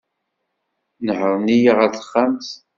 Nehren-iyi ɣer texxamt.